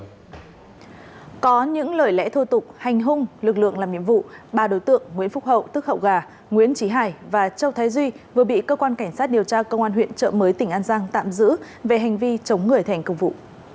có những lời lẽ thô tục hành hung lực lượng làm nhiệm vụ ba đối tượng nguyễn phúc hậu tức hậu gà nguyễn trí hải và châu thái duy vừa bị cơ quan cảnh sát điều tra công an huyện trợ mới tỉnh an giang tạm giữ về hành vi chống người thành công vụ